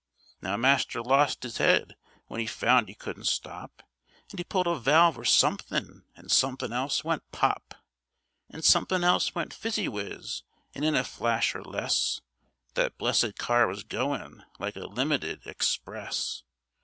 Now, master lost 'is 'ead when 'e found 'e couldn't stop, And 'e pulled a valve or somethin' an' somethin' else went pop, An' somethin' else went fizzywiz, and in a flash, or less, That blessed car was goin' like a limited express.